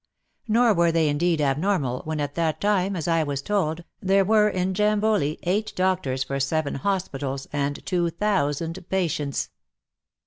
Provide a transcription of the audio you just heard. Nor were they indeed abnormal, when at that time, as I was told, there were in Jamboli 8 doctors for 7 hospitals and 2000 patients.